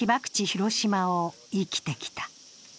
・広島を生きてきた。